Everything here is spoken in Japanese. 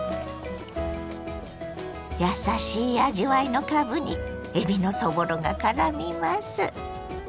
やさしい味わいのかぶにえびのそぼろがからみます。